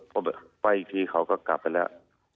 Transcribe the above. พอไปอีกทีเขาก็กลับไปแล้ว